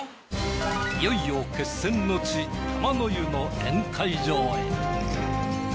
いよいよ決戦の地玉の湯の宴会場へ。